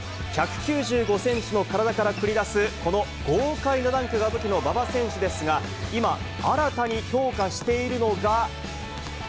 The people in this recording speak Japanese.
１９５センチの体から繰り出す、この豪快なダンクが武器の馬場選手ですが、今、新たに強化しているのが。